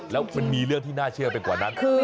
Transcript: แล้วมันมีเรื่องที่น่าเชื่อไปกว่านั้นคือ